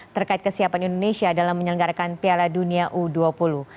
terkait kesiapan indonesia dalam menyelenggarakan piala dunia u dua puluh